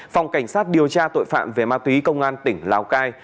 phòng cảnh sát điều tra tội phạm về ma túy công an tỉnh lào cai